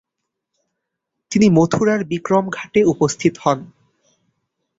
তিনি মথুরার বিক্রমঘাটে উপস্থিত হন।